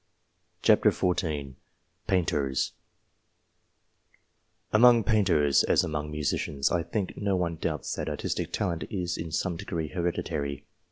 PAINTERS 239 PAINTERS AMONG painters, as among musicians, I think no one doubts that artistic talent is, in some degree, hereditary.